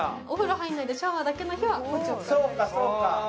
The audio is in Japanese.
お風呂入らないで、シャワーだけの日はこっちを使う。